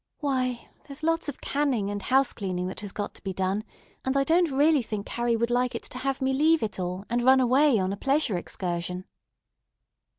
"Why, there's lots of canning and house cleaning that has got to be done, and I don't really think Carrie would like it to have me leave it all, and run away on a pleasure excursion."